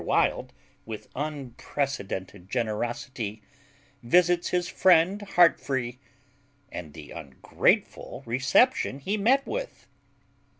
WILD WITH UNPRECEDENTED GENEROSITY VISITS HIS FRIEND HEARTFREE, AND THE UNGRATEFUL RECEPTION HE MET WITH.